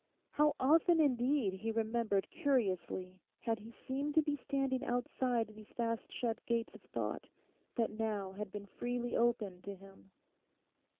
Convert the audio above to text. How often, indeed, he remembered curiously had he seemed to be standing outside these fast shut gates of thought, that now had been freely opened to him.